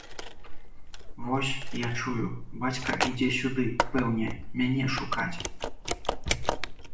Вось, я чую, бацька ідзе сюды, пэўне мяне шукаць.